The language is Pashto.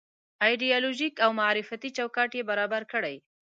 ایدیالوژيک او معرفتي چوکاټ یې برابر کړی.